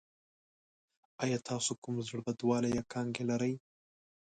ایا تاسو کوم زړه بدوالی یا کانګې لرئ؟